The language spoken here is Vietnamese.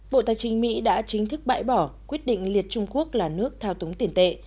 bộ tài chính mỹ đã chính thức bãi bỏ quyết định liệt trung quốc là nước thao túng tiền tệ